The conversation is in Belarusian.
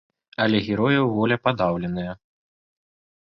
Але герояў воля падаўленая.